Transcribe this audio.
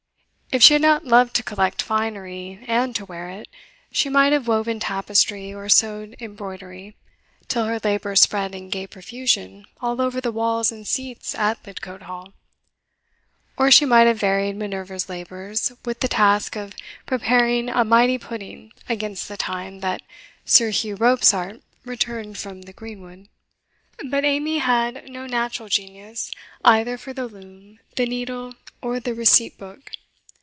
If she had not loved to collect finery and to wear it, she might have woven tapestry or sewed embroidery, till her labours spread in gay profusion all over the walls and seats at Lidcote Hall; or she might have varied Minerva's labours with the task of preparing a mighty pudding against the time that Sir Hugh Robsart returned from the greenwood. But Amy had no natural genius either for the loom, the needle, or the receipt book.